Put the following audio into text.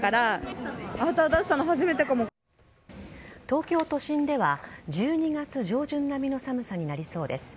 東京都心では１２月上旬並みの寒さになりそうです。